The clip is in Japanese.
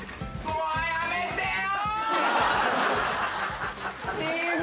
もうやめてよ！